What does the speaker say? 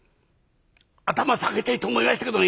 頭下げてえと思いましたけどね